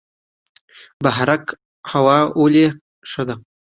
بهارک هوا ولې ښه ده؟